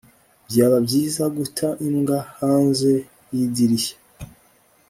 byaba byiza guta imbwa hanze yidirishya